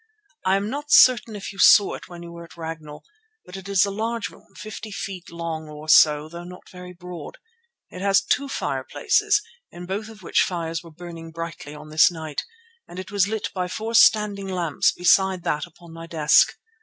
I am not certain if you saw it when you were at Ragnall, but it is a large room, fifty feet long or so though not very broad. It has two fireplaces, in both of which fires were burning on this night, and it was lit by four standing lamps besides that upon my desk.